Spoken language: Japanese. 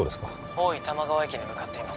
大井玉川駅に向かっています